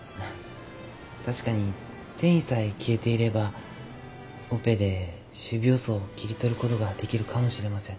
確かに転移さえ消えていればオペで主病巣を切り取ることができるかもしれません。